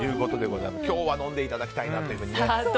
今日は飲んでいただきたいなと。